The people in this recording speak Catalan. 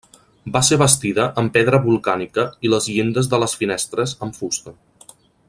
Va ser bastida amb pedra volcànica i les llindes de les finestres amb fusta.